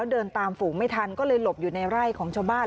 เดินตามฝูงไม่ทันก็เลยหลบอยู่ในไร่ของชาวบ้าน